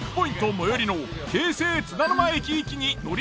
最寄りの京成津田沼駅行きに乗り継ぎ。